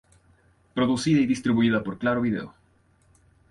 Producida y distribuida por Claro Video.